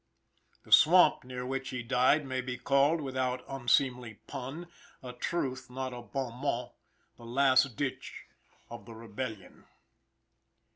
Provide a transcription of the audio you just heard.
The swamp near which he died may be called, without unseemly pun a truth, not a bon mot the last ditch of the rebellion.